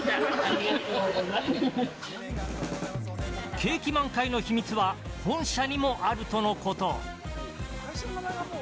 景気満開の秘密は本社にもあるとのこと。